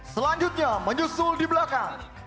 selanjutnya menyusul di belakang